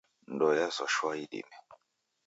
Ndoe yaswa shwaa idime.